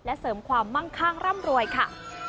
และเสริมความมั่งข้างร่ำรวยค่ะ